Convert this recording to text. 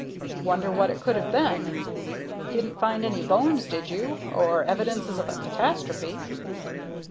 Wonder what it could have been? Didn't find any bones, did you, or evidences of a catastrophe?"